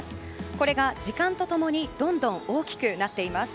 これが時間と共にどんどん大きくなっています。